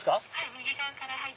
右側から。